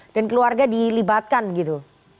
dan keluarga dilibatkan gitu